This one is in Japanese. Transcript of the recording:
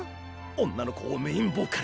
女の子をメインボーカル